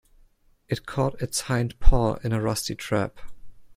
It caught its hind paw in a rusty trap.